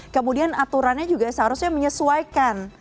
kemudian aturannya juga seharusnya menyesuaikan